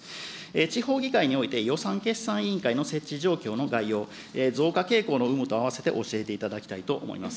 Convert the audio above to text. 地方議会において予算決算委員会の設置状況の概要、増加傾向の有無とあわせて教えていただきたいと思います。